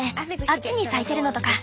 あっちに咲いてるのとか。